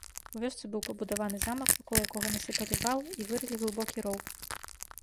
У вёсцы быў пабудаваны замак, вакол якога насыпалі вал і вырылі глыбокі роў.